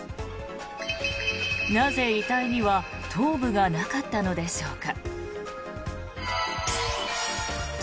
なぜ、遺体には頭部がなかったのでしょうか。